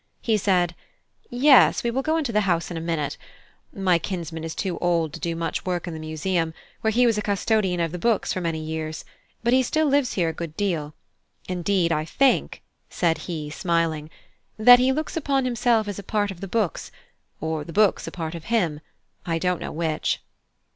He said, "Yes, we will go into the house in a minute. My kinsman is too old to do much work in the Museum, where he was a custodian of the books for many years; but he still lives here a good deal; indeed I think," said he, smiling, "that he looks upon himself as a part of the books, or the books a part of him, I don't know which."